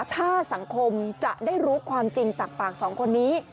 ถ้าสังคมจะได้รู้ความจริงจากปากสองคนนี้